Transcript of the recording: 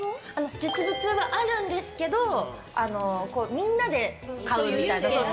実物はあるんですけどみんなで買うみたいな。